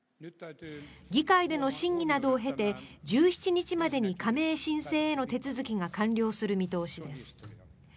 議会での審議などを経て１７日までに加盟申請への手続きが完了する見通しです。